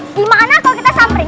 dimana kalau kita samperin